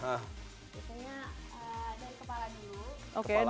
misalnya dari kepala dulu